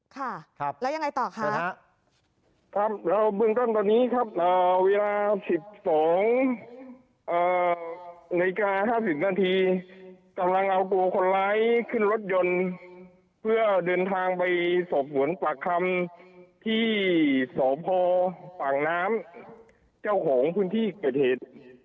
ค่ะครับแล้วยังไงต่อค่ะครับเราเบื้องต้นตอนนี้ครับเวลา๑๒นาฬิกา๕๐นาทีกำลังเอาตัวคนร้ายขึ้นรถยนต์เพื่อเดินทางไปศพฝนปากคำที่ศพฝั่งน้ำเจ้าของพื้นที่ประเทศ